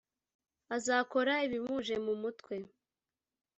azakora ibimuje mu mutwe,